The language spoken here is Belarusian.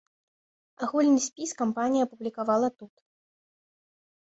Агульны спіс кампанія апублікавала тут.